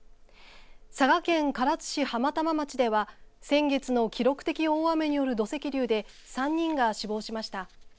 佐賀県唐津市浜玉町では先月の記録的大雨による土石流で３人が死亡しました。